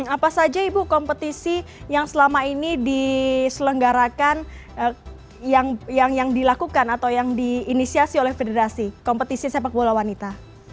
apa saja ibu kompetisi yang selama ini diselenggarakan yang dilakukan atau yang diinisiasi oleh federasi kompetisi sepak bola wanita